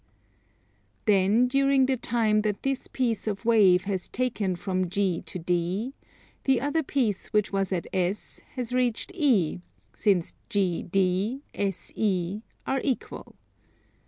Then during the time that this piece of wave has taken from G to D, the other piece which was at S has reached E, since GD, SE are equal.